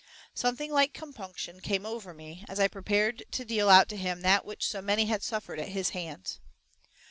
Something like compunction came over me, as I prepared to deal out to him that which so many had suffered at his hands.